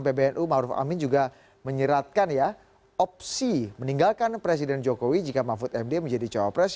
pbnu maruf amin juga menyiratkan ya opsi meninggalkan presiden jokowi jika mahfud md menjadi cawapres